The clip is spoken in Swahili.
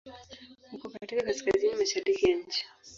Uko katika Kaskazini mashariki ya nchi.